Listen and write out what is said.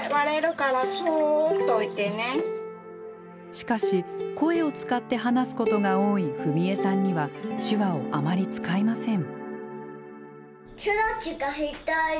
しかし声を使って話すことが多い史恵さんには手話をあまり使いません。